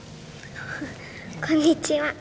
こんにちは。